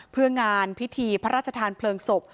เพื่องานพิธีพระราชทานเพลิงศพ